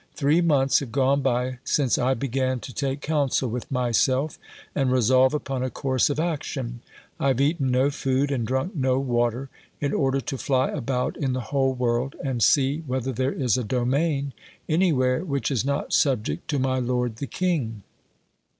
Three months have gone by since I began to take counsel with myself and resolve upon a course of action. I have eaten no food and drunk no water, in order to fly about in the whole world and see whether there is a domain anywhere which is not subject to my lord the king.